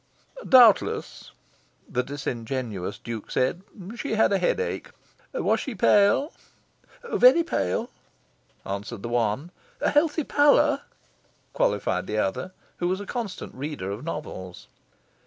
"Doubtless," the disingenuous Duke said, "she had a headache... Was she pale?" "Very pale," answered the one. "A healthy pallor," qualified the other, who was a constant reader of novels.